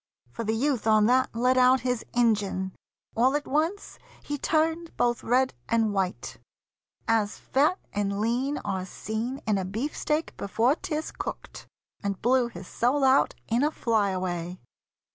For the youth On that let out his Injun. All at once He turned both red and white, as fat and lean Are seen in a beefsteak before 'tis cooked, And blew his soul out in a fly away.